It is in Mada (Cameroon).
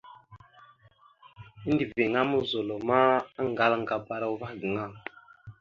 Endəveŋá muzol ma, aŋgalaŋkabara uvah gaŋa.